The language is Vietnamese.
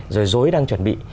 rồi dối đang chuẩn bị